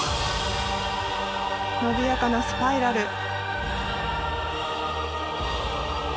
伸びやかなスパイラル。